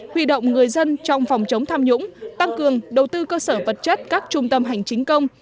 huy động người dân trong phòng chống tham nhũng tăng cường đầu tư cơ sở vật chất các trung tâm hành chính công